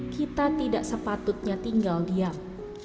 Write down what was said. kita tidak sepatutnya tinggal diam